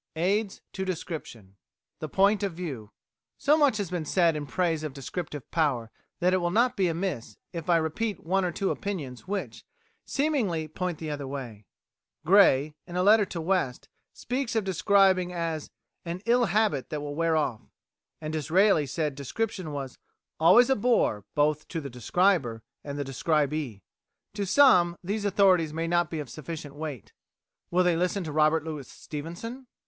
Aids to Description THE POINT OF VIEW So much has been said in praise of descriptive power, that it will not be amiss if I repeat one or two opinions which, seemingly, point the other way. Gray, in a letter to West, speaks of describing as "an ill habit that will wear off"; and Disraeli said description was "always a bore both to the describer and the describee." To some, these authorities may not be of sufficient weight. Will they listen to Robert Louis Stevenson?